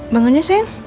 bangun yuk sayang